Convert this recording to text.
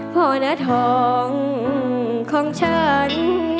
พอณะทองของฉัน